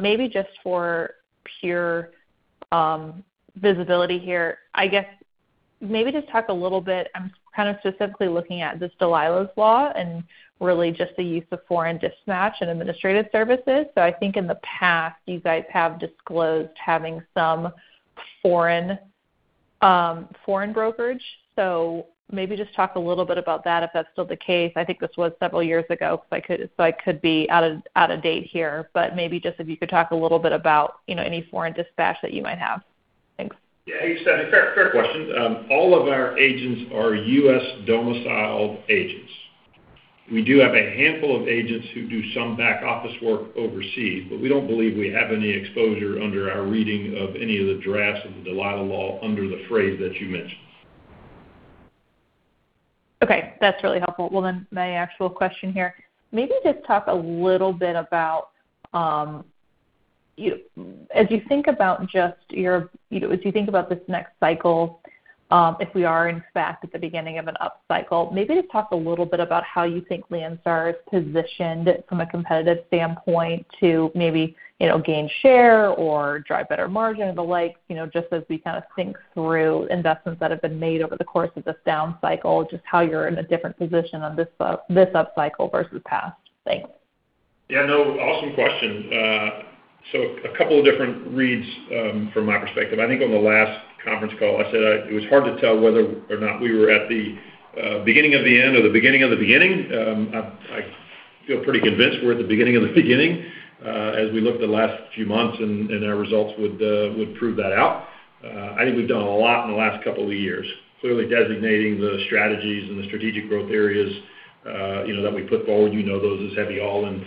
Maybe just for pure visibility here, I guess maybe just talk a little bit, I'm kind of specifically looking at this Dalilah's Law and really just the use of foreign dispatch and administrative services. I think in the past, you guys have disclosed having some foreign, uhm foreign brokerage. Maybe just talk a little bit about that if that's still the case. I think this was several years ago, I could be out of date here. Maybe just if you could talk a little bit about, you know, any foreign dispatch that you might have. Thanks. Yeah. Hey, Stephanie. Fair question. All of our agents are U.S. domiciled agents. We do have a handful of agents who do some back-office work overseas, but we don't believe we have any exposure under our reading of any of the drafts of Dalilah's Law under the phrase that you mentioned. That's really helpful. My actual question here, maybe just talk a little bit about as you think about just your, you know, as you think about this next cycle, if we are in fact at the beginning of an upcycle, maybe just talk a little bit about how you think Landstar is positioned from a competitive standpoint to maybe, you know, gain share or drive better margin and the like, you know, just as we kind of think through investments that have been made over the course of this down cycle, just how you're in a different position on this upcycle versus past. Thanks. No, awesome question. A couple of different reads from my perspective. I think on the last conference call I said it was hard to tell whether or not we were at the beginning of the end or the beginning of the beginning. I feel pretty convinced we're at the beginning of the beginning as we look at the last few months and our results would prove that out. I think we've done a lot in the last couple of years, clearly designating the strategies and the strategic growth areas, you know, that we put forward. You know those as heavy-haul and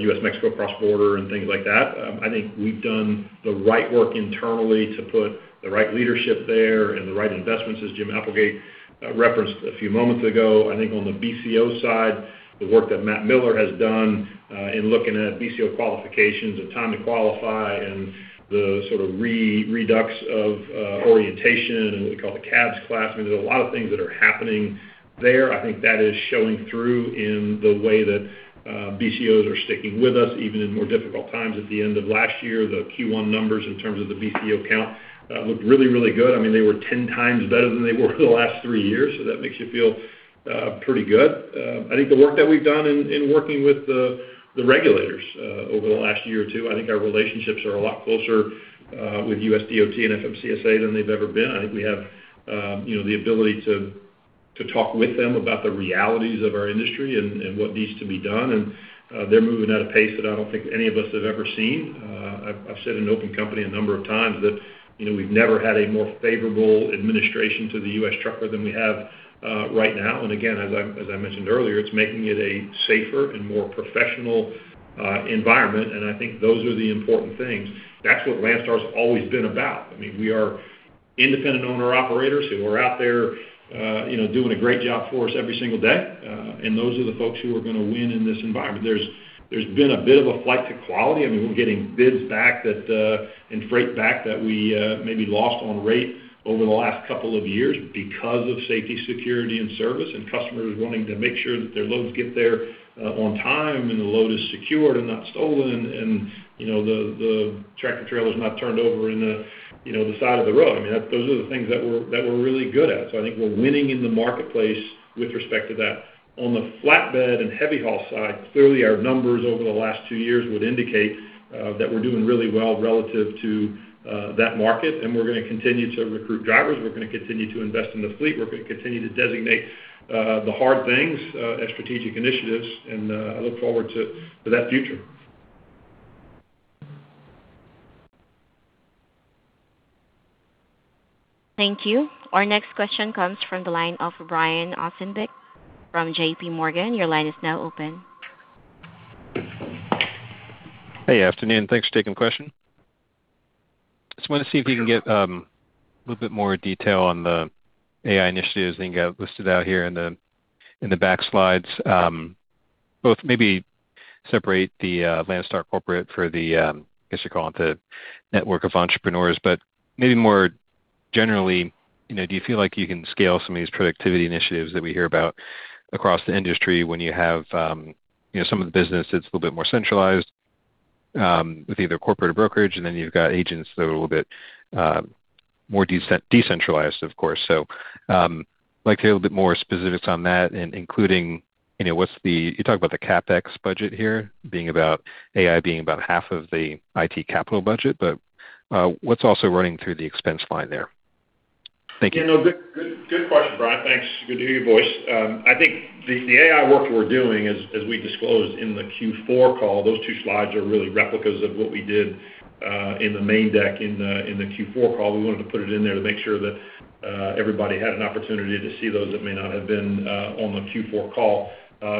U.S.-Mexico cross border and things like that. We've done the right work internally to put the right leadership there and the right investments, as Jim Applegate referenced a few moments ago. On the BCO side, the work that Matt Miller has done in looking at BCO qualifications and time to qualify and the sort of redux of orientation and what we call the CABS class. I mean, there's a lot of things that are happening there. That is showing through in the way that BCOs are sticking with us, even in more difficult times. At the end of last year, the Q1 numbers in terms of the BCO count looked really, really good. I mean, they were 10 times better than they were the last three-years. That makes you feel pretty good. I think the work that we've done in working with the regulators, over the last year or two, I think our relationships are a lot closer with USDOT and FMCSA than they've ever been. I think we have, you know, the ability to talk with them about the realities of our industry and what needs to be done. They're moving at a pace that I don't think any of us have ever seen. I've said in open company a number of times that, you know, we've never had a more favorable administration to the U.S. trucker than we have right now. Again, as I, as I mentioned earlier, it's making it a safer and more professional environment. I think those are the important things. That's what Landstar has always been about. I mean, we are independent owner-operators who are out there, you know, doing a great job for us every single day. Those are the folks who are gonna win in this environment. There's been a bit of a flight to quality. I mean, we're getting bids back that and freight back that we may be lost on rate over the last couple of years because of safety, security, and service, and customers wanting to make sure that their loads get there on time, and the load is secured and not stolen and, you know, the tractor trailer is not turned over in the, you know, side of the road. I mean, those are the things that we're really good at. I think we're winning in the marketplace with respect to that. On the flatbed and heavy-haul side, clearly our numbers over the last two years would indicate that we're doing really well relative to that market. We're gonna continue to recruit drivers. We're gonna continue to invest in the fleet. We're gonna continue to designate the hard things as strategic initiatives. I look forward to that future. Thank you. Our next question comes from the line of Brian Ossenbeck from J.P. Morgan. Your line is now open. Hey, afternoon. Thanks for taking the question. Just wanted to see if you can get a little bit more detail on the AI initiatives that you got listed out here in the back slides. Both maybe separate the Landstar corporate for the, I guess you call it the network of entrepreneurs, maybe more generally, you know, do you feel like you can scale some of these productivity initiatives that we hear about across the industry when you have, you know, some of the business that's a little bit more centralized with either corporate or brokerage, and then you've got agents that are a little bit more decentralized, of course. Like to hear a little bit more specifics on that and including, you know, you talk about the CapEx budget here being about, AI being about half of the IT capital budget, but what's also running through the expense line there? Thank you. You know, good question, Brian. Thanks. Good to hear your voice. I think the AI work we're doing as we disclosed in the Q4 call, those two slides are really replicas of what we did, in the main deck in the, in the Q4 call. We wanted to put it in there to make sure that everybody had an opportunity to see those that may not have been, on the Q4 call.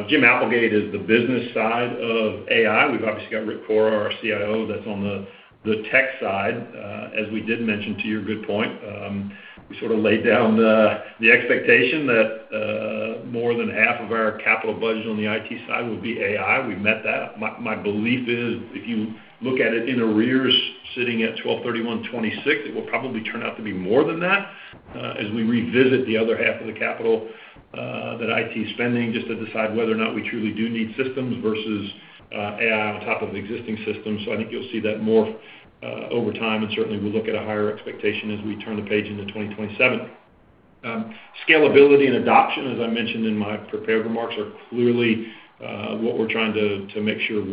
Jim Applegate is the business side of AI. We've obviously got Rick Coro, our CIO, that's on the tech side. As we did mention, to your good point, we sort of laid down the expectation that, more than half of our capital budget on the IT side would be AI. We met that. My belief is if you look at it in arrears sitting at 12/31/2026, it will probably turn out to be more than that, as we revisit the other half of the capital that IT is spending just to decide whether or not we truly do need systems versus AI on top of existing systems. I think you'll see that morph over time, and certainly we look at a higher expectation as we turn the page into 2027. Scalability and adoption, as I mentioned in my prepared remarks, are clearly what we're trying to make sure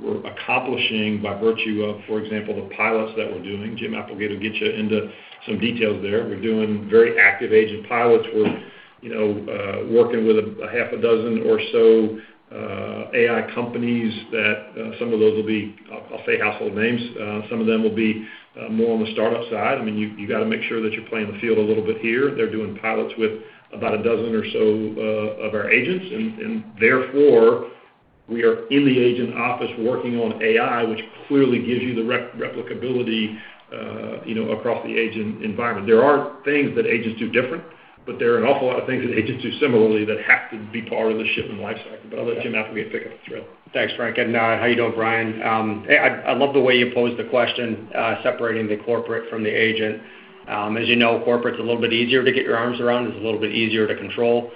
we're accomplishing by virtue of, for example, the pilots that we're doing. Jim Applegate will get you into some details there. We're doing very active agent pilots. We're, you know, working with a half a dozen or so AI companies that some of those will be, I'll say household names. Some of them will be more on the startup side. I mean, you gotta make sure that you're playing the field a little bit here. They're doing pilots with about a dozen or so of our agents. Therefore, we are in the agent office working on AI, which clearly gives you the replicability, you know, across the agent environment. There are things that agents do different, but there are an awful lot of things that agents do similarly that have to be part of the shipment lifecycle. I'll let Jim Applegate pick up the thread. Thanks, Frank. How you doing, Brian? Hey, I love the way you posed the question, separating the corporate from the agent. As you know, corporate's a little bit easier to get your arms around. It's a little bit easier to control,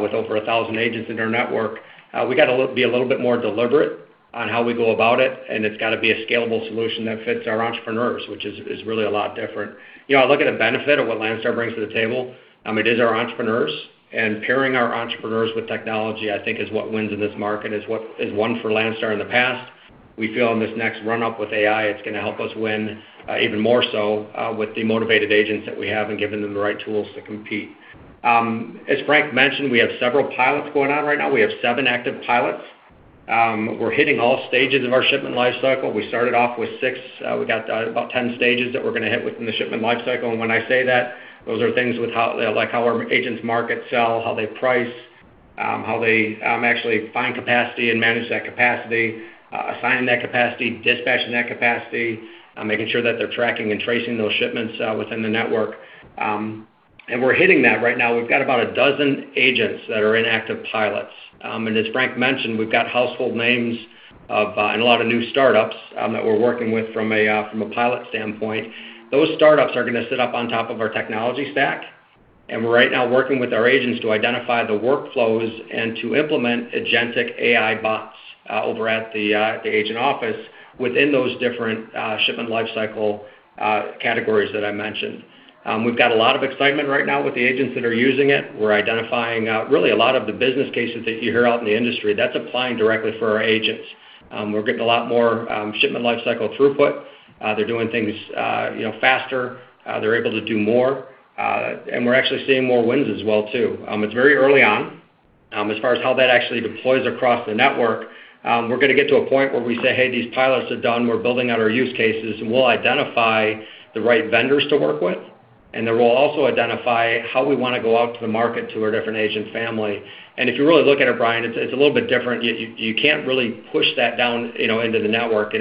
with over 1,000 agents in our network. We gotta be a little bit more deliberate on how we go about it, and it's gotta be a scalable solution that fits our entrepreneurs, which is really a lot different. You know, I look at a benefit of what Landstar brings to the table, it is our entrepreneurs. Pairing our entrepreneurs with technology, I think, is what wins in this market, is what has won for Landstar in the past. We feel in this next run-up with AI, it's gonna help us win even more so with the motivated agents that we have and giving them the right tools to compete. As Frank mentioned, we have several pilots going on right now. We have seven active pilots. We're hitting all stages of our shipment lifecycle. We started off with six. We got about 10 stages that we're gonna hit within the shipment lifecycle. When I say that, those are things with how our agents market, sell, how they price, how they actually find capacity and manage that capacity, assign that capacity, dispatching that capacity, making sure that they're tracking and tracing those shipments within the network. And we're hitting that right now. We've got about a dozen agents that are in active pilots. As Frank mentioned, we've got household names of, and a lot of new startups, that we're working with from a, from a pilot standpoint. Those startups are gonna sit up on top of our technology stack, and we're right now working with our agents to identify the workflows and to implement agentic AI bots, over at the agent office within those different, shipment lifecycle, categories that I mentioned. We've got a lot of excitement right now with the agents that are using it. We're identifying, really a lot of the business cases that you hear out in the industry. That's applying directly for our agents. We're getting a lot more, shipment lifecycle throughput. They're doing things, you know, faster. They're able to do more. We're actually seeing more wins as well too. It's very early on as far as how that actually deploys across the network. We're gonna get to a point where we say, "Hey, these pilots are done. We're building out our use cases, and we'll identify the right vendors to work with, and then we'll also identify how we wanna go out to the market to our different agent family." If you really look at it, Brian, it's a little bit different. You can't really push that down, you know, into the network. It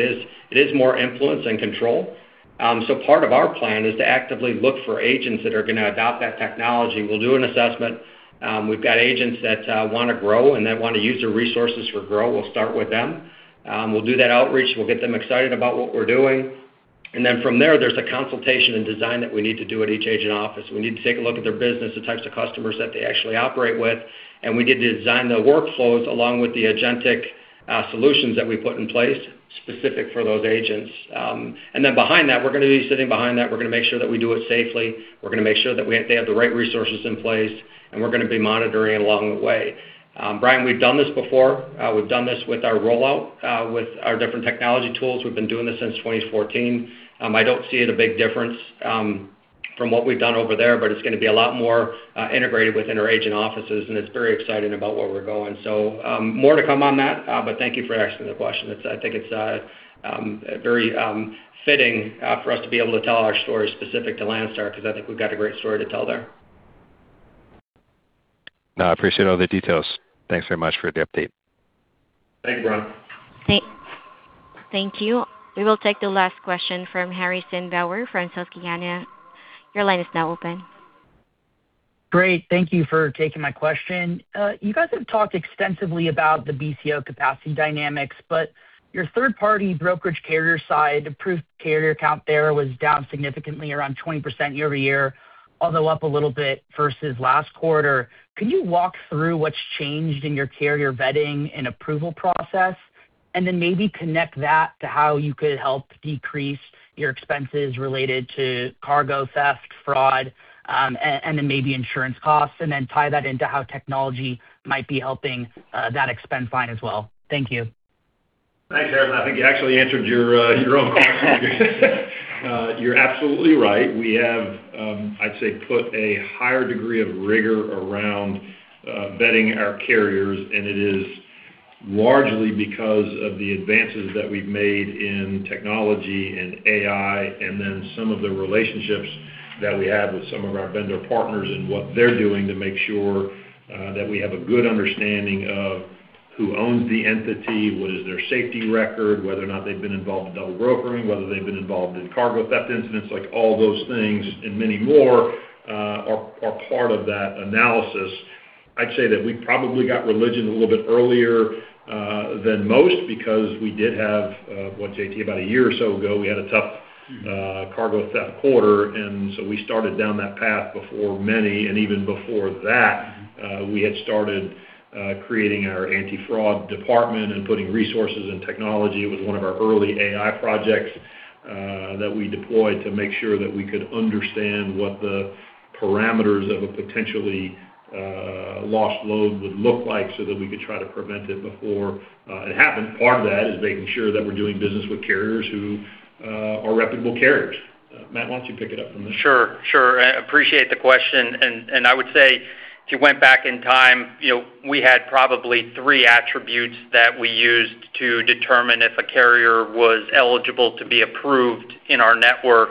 is more influence than control. Part of our plan is to actively look for agents that are gonna adopt that technology. We'll do an assessment. We've got agents that wanna grow and that wanna use their resources for growth. We'll start with them. We'll do that outreach. We'll get them excited about what we're doing. There's a consultation and design that we need to do at each agent office. We need to take a look at their business, the types of customers that they actually operate with, and we need to design the workflows along with the agentic solutions that we put in place specific for those agents. We're gonna be sitting behind that. We're gonna make sure that we do it safely. We're gonna make sure that they have the right resources in place, and we're gonna be monitoring along the way. Brian, we've done this before. We've done this with our rollout, with our different technology tools. We've been doing this since 2014. I don't see it a big difference from what we've done over there, but it's gonna be a lot more integrated within our agent offices, and it's very exciting about where we're going. More to come on that but thank you for asking the question. I think it's very fitting for us to be able to tell our story specific to Landstar because I think we've got a great story to tell there. No, I appreciate all the details. Thanks very much for the update. Thank you, Brian. Thank you. We will take the last question from Harrison Bauer from Susquehanna Financial Group. Your line is now open. Great. Thank you for taking my question. You guys have talked extensively about the BCO capacity dynamics, but your third-party brokerage carrier side approved carrier count there was down significantly, around 20% year-over-year, although up a little bit versus last quarter. Can you walk through what's changed in your carrier vetting and approval process? Then maybe connect that to how you could help decrease your expenses related to cargo theft, fraud, and then maybe insurance costs, and then tie that into how technology might be helping that expense line as well. Thank you. Thanks, Harrison. I think you actually answered your own question. You're absolutely right. We have, I'd say, put a higher degree of rigor around vetting our carriers, and it is largely because of the advances that we've made in technology and AI, and then some of the relationships that we have with some of our vendor partners and what they're doing to make sure that we have a good understanding of who owns the entity, what is their safety record, whether or not they've been involved in double brokering, whether they've been involved in cargo theft incidents. Like, all those things and many more are part of that analysis. I'd say that we probably got religion a little bit earlier than most because we did have, what, JT, about a year or so ago, we had a tough cargo theft quarter. We started down that path before many. Even before that, we had started creating our anti-fraud department and putting resources and technology. It was one of our early AI projects that we deployed to make sure that we could understand what the parameters of a potentially lost load would look like so that we could try to prevent it before it happened. Part of that is making sure that we're doing business with carriers who are reputable carriers. Matt, why don't you pick it up from there? Sure, sure. I appreciate the question. I would say if you went back in time, we had probably three attributes that we used to determine if a carrier was eligible to be approved in our network.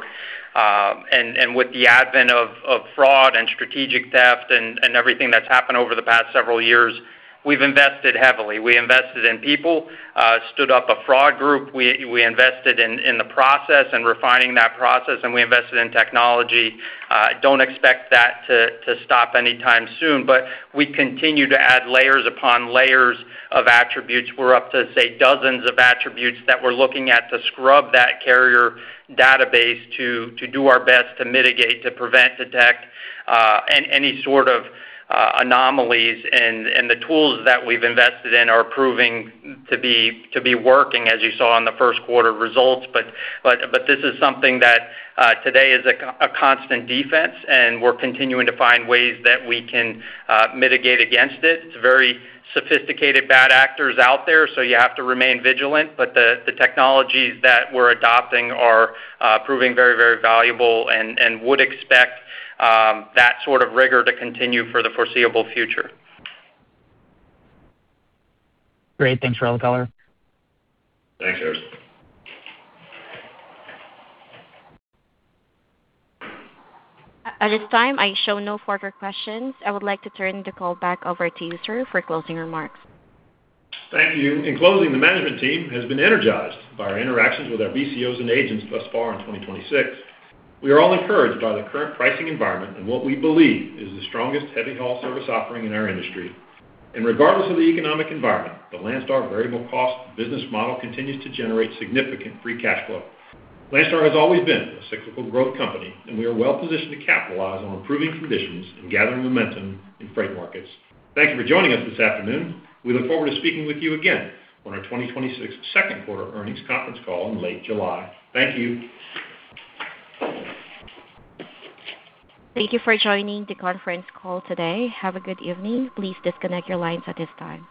With the advent of fraud and strategic theft and everything that's happened over the past several years, we've invested heavily. We invested in people, stood up a fraud group. We invested in the process and refining that process, and we invested in technology. Don't expect that to stop anytime soon, we continue to add layers upon layers of attributes. We're up to, say, dozens of attributes that we're looking at to scrub that carrier database to do our best to mitigate, to prevent, detect, any sort of anomalies. The tools that we've invested in are proving to be working, as you saw in the first quarter results. This is something that today is a constant defense, and we're continuing to find ways that we can mitigate against it. It's very sophisticated bad actors out there, so you have to remain vigilant. The technologies that we're adopting are proving very valuable and would expect that sort of rigor to continue for the foreseeable future. Great. Thanks for all the color. Thanks, Harrison. At this time, I show no further questions. I would like to turn the call back over to you, sir, for closing remarks. Thank you. In closing, the management team has been energized by our interactions with our BCOs and agents thus far in 2026. We are all encouraged by the current pricing environment and what we believe is the strongest heavy-haul service offering in our industry. Regardless of the economic environment, the Landstar variable cost business model continues to generate significant free cash flow. Landstar has always been a cyclical growth company, and we are well positioned to capitalize on improving conditions and gathering momentum in freight markets. Thank you for joining us this afternoon. We look forward to speaking with you again on our 2026 second quarter earnings conference call in late July. Thank you. Thank you for joining the conference call today. Have a good evening. Please disconnect your lines at this time.